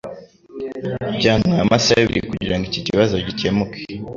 Byantwaye amasaha abiri kugirango iki kibazo gikemuke.